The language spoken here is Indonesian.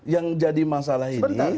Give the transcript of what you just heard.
yang jadi masalah ini